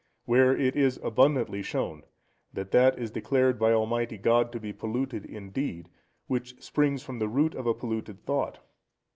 Where it is abundantly shown, that that is declared by Almighty God to be polluted in deed, which springs from the root of a polluted thought.